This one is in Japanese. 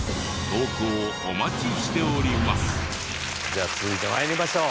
じゃあ続いて参りましょう。